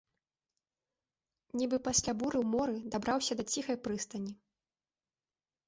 Нібы пасля буры ў моры дабраўся да ціхай прыстані.